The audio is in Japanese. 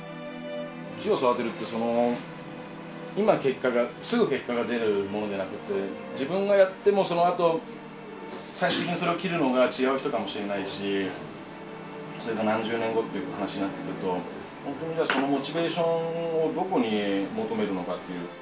木を育てるって、今結果が、すぐ結果が出るものじゃなくて、自分がやっても、そのあと最終的にそれを切るのが違う人かもしれないし、それが何十年後という話になってくると、本当にそのモチベーションをどこに求めるのかという。